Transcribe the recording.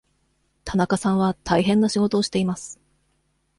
田中さんは大変な仕事をしています。